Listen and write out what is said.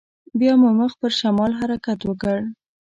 بيا مو مخ پر شمال حرکت وکړ.